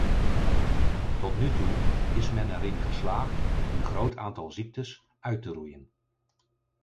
Tot nu toe is men erin geslaagd een groot aantal ziektes uit te roeien.